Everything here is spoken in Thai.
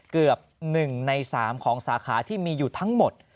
เกือบ๑ใน๓ของสาขาที่มีอยู่ทั้งหมด